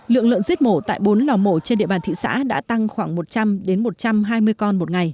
lượng lợn giết mổ tại bốn lò mổ trên địa bàn thị xã đã tăng khoảng một trăm linh một trăm hai mươi con một ngày